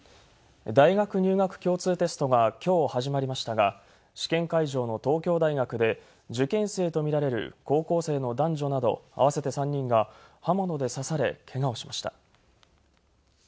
大学入学共通テストが、きょう始まりましたが試験会場の東京大学で、受験生とみられる高校生の男女など合わせて３人が刃物で刺されけがをしました。